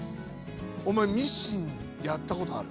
おまえミシンやったことある？